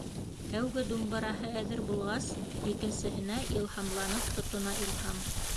Тәүге думбыраһы әҙер булғас, икенсеһенә илһамланып тотона Илһам.